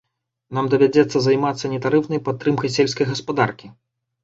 Нам давядзецца займацца нетарыфнай падтрымкай сельскай гаспадаркі.